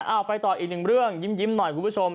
เอาไปต่ออีกหนึ่งเรื่องยิ้มหน่อยคุณผู้ชม